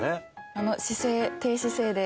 あの姿勢低姿勢で。